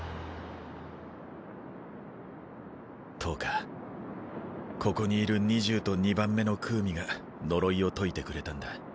トオカここにいる二十と二番目のクウミが呪いを解いてくれたんだ。